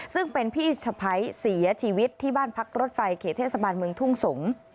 ซึ่งเป็นพี่สะพ้ายเสียชีวิตที่บ้านพักรถไฟเขตเทศบาลเมืองทุ่งสงศ์